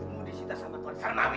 kamu disintas sama tuan salmawi